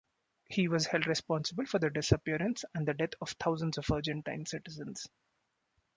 He was held responsible for the disappearance and the death of thousands of Argentine citizens.